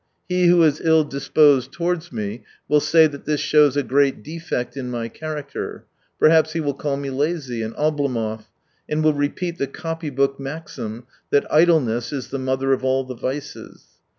He who is ill disposed towards me will say that this shows a great defect in my character, perhaps he will call me lazy, an Oblomov, and will repeat the copy book maxim that idleness is the mother of all the vices.